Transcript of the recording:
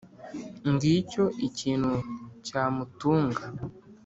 ngicyo ikintu cyamutunga.